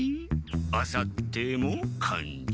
あさってもかんし。